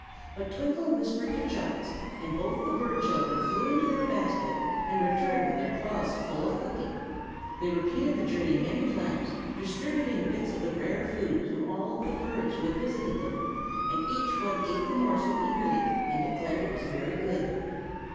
But Twinkle whispered to Chubbins, and both the bird children flew into their basket and returned with their claws full of cookie. They repeated the journey many times, distributing bits of the rare food to all of the birds who had visited them, and each one ate the morsel eagerly and declared that it was very good.